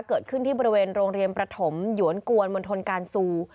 เกิดขึ้นที่บริเวณโรงเรียนประถมหยวนกวนมณฑลการซู